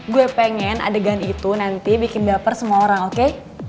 gue pengen adegan itu nanti bikin baper semua orang oke